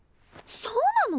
そうなの！？